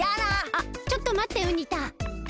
あっちょっとまってウニ太。